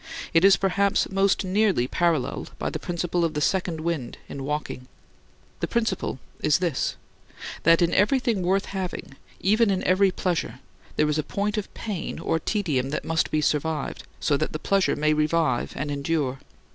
It is, perhaps, most nearly paralleled by the principle of the second wind in walking. The principle is this: that in everything worth having, even in every pleasure, there is a point of pain or tedium that must be survived, so that the pleasure may revive and endure.